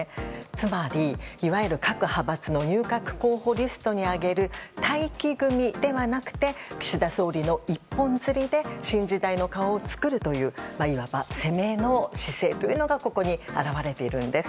つまり、いわゆる各派閥の入閣候補リストに挙げる待機組ではなくて岸田総理の一本釣りで新時代の顔を作るといういわば攻めの姿勢というのがここに表れているんです。